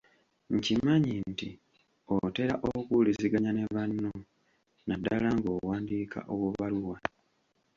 Nkimanyi nti otera okuwuliziganya ne banno naddala ng’owandiika obubaluwa?